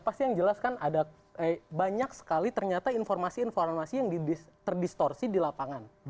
pasti yang jelas kan ada banyak sekali ternyata informasi informasi yang terdistorsi di lapangan